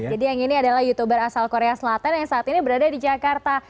yang ini adalah youtuber asal korea selatan yang saat ini berada di jakarta